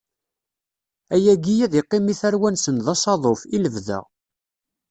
Ayagi ad d-iqqim i tarwa-nsen d asaḍuf, i lebda.